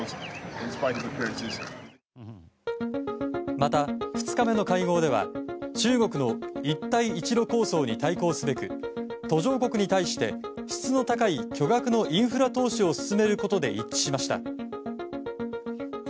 また２日目の会合では中国の一帯一路構想に対抗すべく途上国に対して質の高い巨額のインフラ投資を進めることで一致しました。